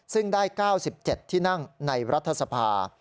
ซึ่งได้๙๗ที่นั่งในรัฐสภา